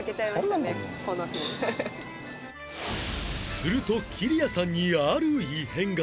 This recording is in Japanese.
するときりやさんにある異変が